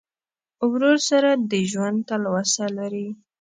ورور سره د ژوند تلوسه لرې.